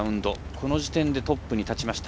この時点でトップに立ちました。